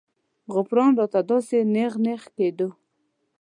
غوپران راته داسې نېغ نېغ کېدو.